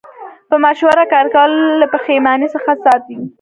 په مشوره کار کول له پښیمانۍ څخه ساتي.